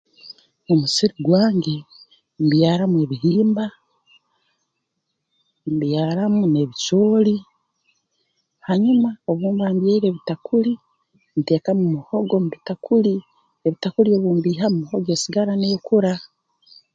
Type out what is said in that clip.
Omusiri gwange mbyaramu ebihimba mbyaramu n'ebicooli hanyuma obu mba mbyaire ebitakuli nteekamu muhogo mu bitakuli ebitakuli obu mbiihamu muhogo esigara neekura